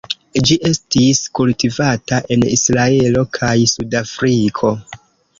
Ĝi estis kultivata en Israelo kaj Sudafriko.